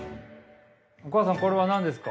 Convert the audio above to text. お母さんこれはなんですか？